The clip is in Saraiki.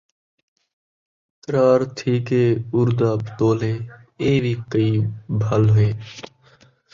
کراڑ تھی کے اُڑدا تولے ، اے وی کئی بھُل ہے